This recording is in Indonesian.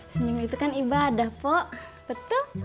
senyum itu kan ibadah pok betul